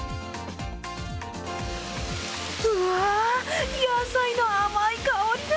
うわーっ、野菜の甘い香りが。